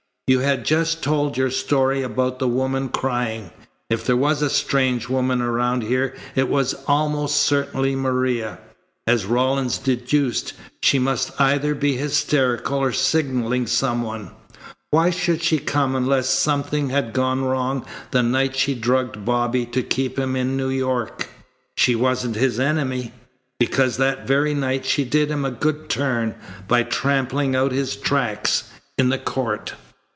You had just told your story about the woman crying. If there was a strange woman around here it was almost certainly Maria. As Rawlins deduced, she must either be hysterical or signalling some one. Why should she come unless something had gone wrong the night she drugged Bobby to keep him in New York? She wasn't his enemy, because that very night she did him a good turn by trampling out his tracks in the court."